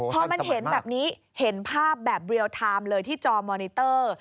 พอมันเห็นแบบนี้เห็นภาพแบบเรียลไทม์เลยที่จอมอนิเตอร์